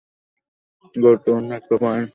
গুরুত্বপূর্ণ একটা পয়েন্ট।